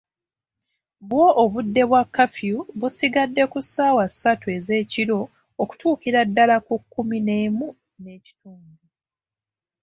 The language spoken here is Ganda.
Bwo obudde bwa kafiyu busigadde ku ssaawa ssatu ezeekiro okutuukira ddala ku kkumi n'emu n’ekitundu.